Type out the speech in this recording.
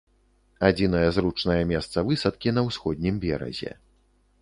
Адзінае зручнае месца высадкі на ўсходнім беразе.